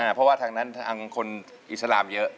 เพราะว่าทางนั้นทางคนอิสลามเยอะ